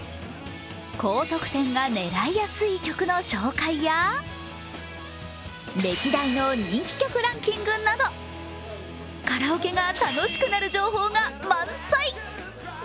高得点が狙いやすい曲の紹介や、歴代の人気曲ランキングなどカラオケが楽しくなる情報が満載。